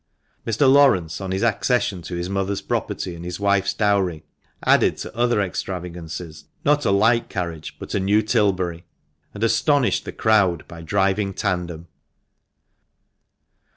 Mr. Laurence, on his accession to his mother's property and his wife's dowry, added to other extravagances not a like carriage, but a new Tilbury, and astonished the crowd by driving tandem.